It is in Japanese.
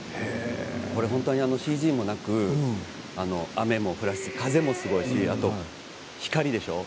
これ本当にＣＧもなく雨も降らして雨も降っていて光でしょう？